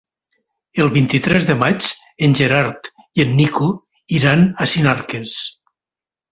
El vint-i-tres de maig en Gerard i en Nico iran a Sinarques.